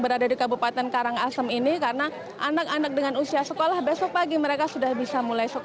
berada di kabupaten karangasem ini karena anak anak dengan usia sekolah besok pagi mereka sudah bisa mulai